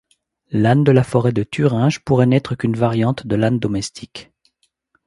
L'âne de la forêt de Thuringe pourrait n'être qu'une variante de l'âne domestique.